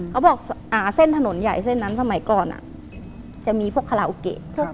เขาบอกอ่าเส้นถนนใหญ่สมัยก่อนอะจะมีพวกคาราโอเกะ